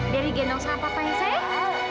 biar dia gendong sama papa ya sayang